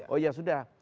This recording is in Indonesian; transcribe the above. oh ya sudah